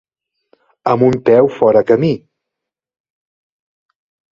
Amb un peu fora camí.